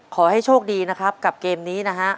ขอให้โชคดีนะครับกับเกมนี้นะฮะ